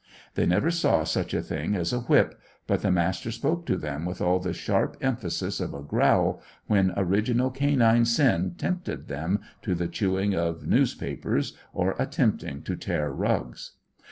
They never saw such a thing as a whip, but the Master spoke to them with all the sharp emphasis of a growl when original canine sin tempted them to the chewing of newspapers, or attempting to tear rugs.